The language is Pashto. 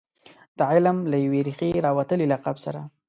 د علم له یوې ریښې راوتلي لقب سره.